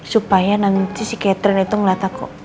supaya nanti si catherine itu ngeliat aku